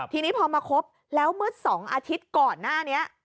ทีนี้พอมาคบแล้วเมื่อ๒อาทิตย์ก่อนหน้านี้